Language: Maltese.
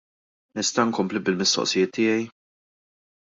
Nista' inkompli bil-mistoqsijiet tiegħi?